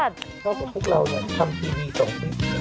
ช่องกับพวกเราเนี่ยทำทีวีต่อพิธี